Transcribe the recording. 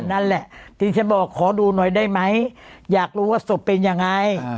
นั่นแหละที่ฉันบอกขอดูหน่อยได้ไหมอยากรู้ว่าศพเป็นยังไง